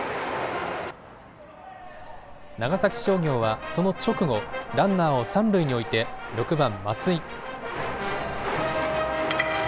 長崎商業はその直後、ランナーを三塁に置いて６番・松井。